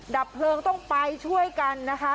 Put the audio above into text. ดับเพลิงต้องไปช่วยกันนะคะ